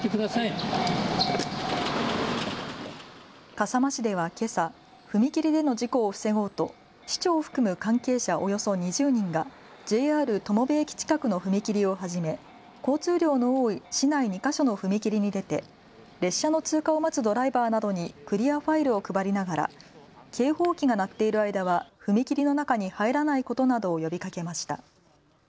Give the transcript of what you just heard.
笠間市では、けさ、踏切での事故を防ごうと市長を含む関係者およそ２０人がＪＲ友部駅近くの踏切をはじめ、交通量の多い市内２か所の踏切に出て列車の通過を待つドライバーなどにクリアファイルを配りながら警報機が鳴っている間は踏切の中に入らないことなどを呼びかけました。